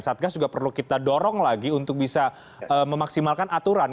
satgas juga perlu kita dorong lagi untuk bisa memaksimalkan aturan